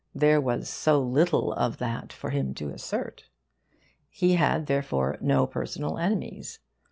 There was so little of that for him to assert. He had, therefore, no personal enemies.